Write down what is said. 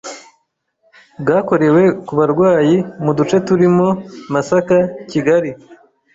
bwakorewe ku barwayi mu duce turimo Masaka Kigali